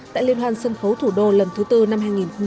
tại liên hoan sân khấu thủ đô lần thứ tư năm hai nghìn hai mươi